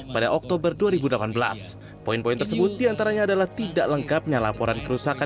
pada oktober dua ribu delapan belas poin poin tersebut diantaranya adalah tidak lengkapnya laporan kerusakan